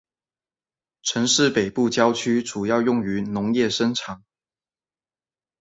城市的北部郊区主要用于农业生产。